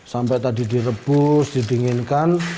sampai tadi direbus didinginkan